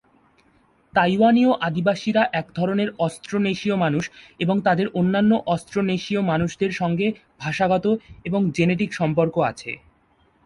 তাইওয়ানীয় আদিবাসীরা এক ধরনের অস্ট্রোনেশীয় মানুষ, এবং তাদের অন্যান্য অস্ট্রোনেশীয় মানুষদের সঙ্গে ভাষাগত এবং জেনেটিক সম্পর্ক আছে।